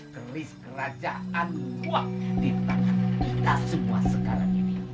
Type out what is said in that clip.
keris kerajaan kuat di tangan kita semua sekarang ini